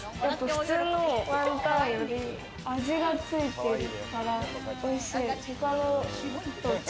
普通のワンタンより味がついてるからおいしい。